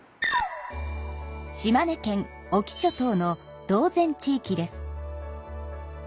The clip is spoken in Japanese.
島根県隠岐諸島の島前地域です。